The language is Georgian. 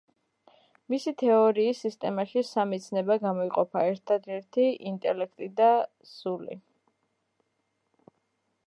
მისი თეორიის სისტემაში სამი ცნება გამოიყოფა: ერთადერთი, ინტელექტი და სული.